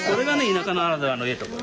田舎ならではのええところ。